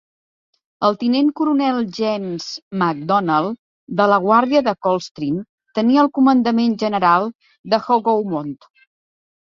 El tinent coronel James Macdonnell, de la guàrdia de Coldstream, tenia el comandament general de Hougoumont.